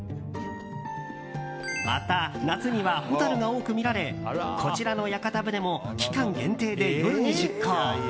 また、夏にはホタルが多く見られこちらの屋形船も期間限定で夜に出航。